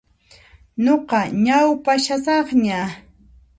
Nuqa ñaupashasaqña.